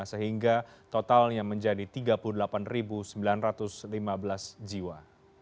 sehingga totalnya menjadi tiga puluh delapan sembilan ratus lima belas jiwa